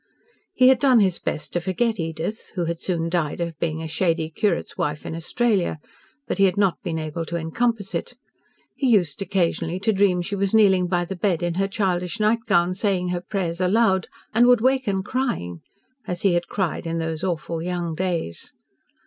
He had done his best to forget Edith, who had soon died of being a shady curate's wife in Australia, but he had not been able to encompass it. He used, occasionally, to dream she was kneeling by the bed in her childish nightgown saying her prayers aloud, and would waken crying as he had cried in those awful young days.